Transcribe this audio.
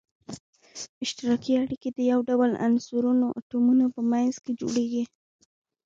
اشتراکي اړیکه د یو ډول عنصرونو اتومونو په منځ کې جوړیږی.